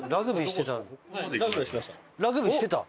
ラグビーしてた？